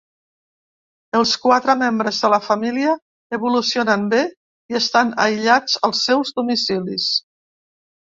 Els quatre membres de la família evolucionen bé i estan aïllats als seus domicilis.